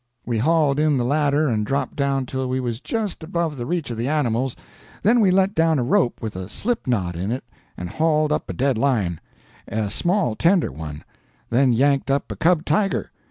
We hauled in the ladder and dropped down till we was just above the reach of the animals, then we let down a rope with a slip knot in it and hauled up a dead lion, a small tender one, then yanked up a cub tiger.